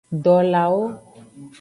Dolawo.